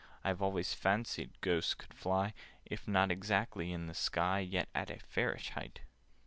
I always fancied Ghosts could fly— If not exactly in the sky, Yet at a fairish height."